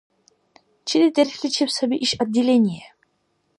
Чиди дерхӀличиб саби иш отделение?